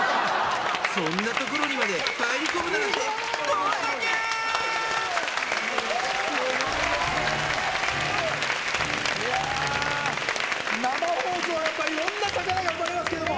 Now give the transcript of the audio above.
そんなところにまで入り込むなんて、いやー、生放送は、やっぱりいろんなことが起きますけれども。